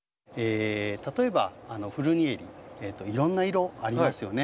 例えばフルニエリいろんな色ありますよね。